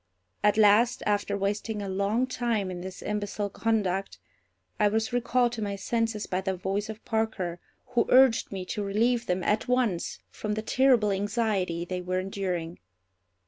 At last, after wasting a long time in this imbecile conduct, I was recalled to my senses by the voice of Parker, who urged me to relieve them at once from the terrible anxiety they were enduring.